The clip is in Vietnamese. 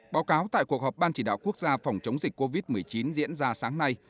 báo cáo tại cuộc họp ban chỉ đạo quốc gia phòng chống dịch covid một mươi chín diễn ra sáng nay